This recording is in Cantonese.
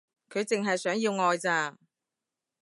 佢淨係想要愛咋